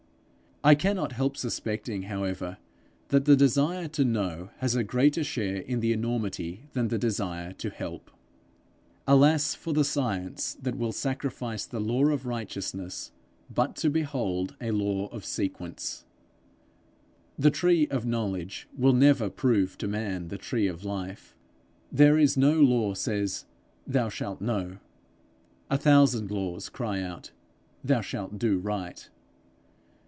I cannot help suspecting, however, that the desire to know has a greater share in the enormity than the desire to help. Alas for the science that will sacrifice the law of righteousness but to behold a law of sequence! The tree of knowledge will never prove to man the tree of life. There is no law says, Thou shalt know; a thousand laws cry out, Thou shalt do right.